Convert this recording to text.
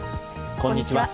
こんにちは。